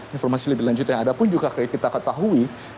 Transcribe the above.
informasi lebih lanjut yang ada pun juga kita ketahui